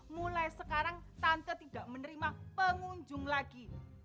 mulai sekarang tante tidak menerima pengunjung lagi